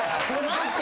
マジ！？